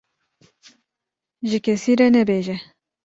ji kesî re nebêje.